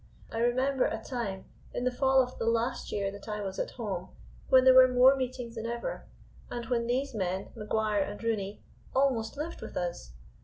"I remember a time in the fall of the last year that I was at home, when there were more meetings than ever, and when these men, Maguire and Rooney, almost lived with us.